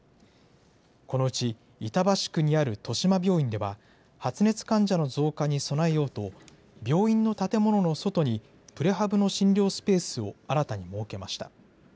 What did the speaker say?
このうち、板橋区にある豊島病院では、発熱患者の増加に備えようと、病院の建物の外にプレハブの診療スペースを新たに設けました。